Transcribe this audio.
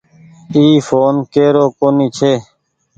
اي ڦون ڪيرو ڪونيٚ ڇي۔